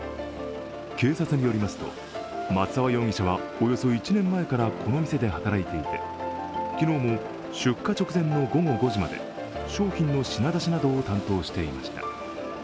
警察によりますと松沢容疑者はおよそ１年前からこの店で働いていて昨日も出火直前の午後５時まで商品の品出しなどを担当していました。